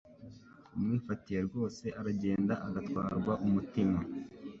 umwifatiye rwose aragenda agatwarwa umutima